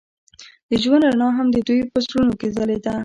د ژوند رڼا هم د دوی په زړونو کې ځلېده.